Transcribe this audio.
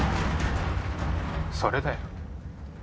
それだよ。